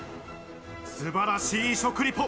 素晴らしい食リポ。